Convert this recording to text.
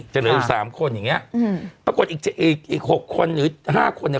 เหลืออีกสามคนอย่างเงี้อืมปรากฏอีกอีกหกคนหรือห้าคนเนี่ย